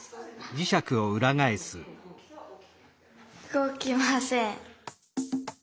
動きません。